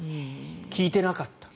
聞いてなかった。